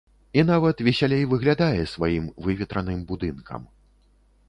І нават весялей выглядае сваім выветраным будынкам.